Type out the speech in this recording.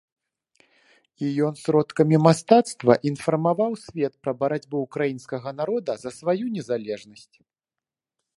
І ён сродкамі мастацтва інфармаваў свет пра барацьбу ўкраінскага народа за сваю незалежнасць.